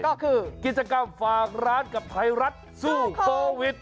ก็คือกิจกรรมฝากร้านกับไทยรัฐสู้โควิด